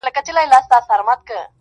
خو دده زامي له يخه څخه رېږدي.